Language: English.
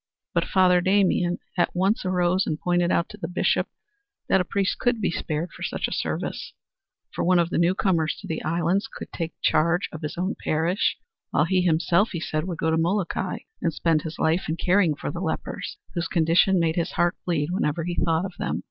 But Father Damien at once arose and pointed out to the Bishop that a priest could be spared for such service, for one of the newcomers to the islands could take charge of his own parish, while he himself, he said, would go to Molokai and spend his life in caring for the lepers, whose condition made his heart bleed whenever he thought of them.